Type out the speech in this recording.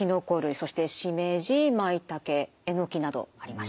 そしてしめじまいたけえのきなどあります。